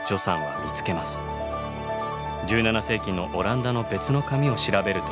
１７世紀のオランダの別の紙を調べると。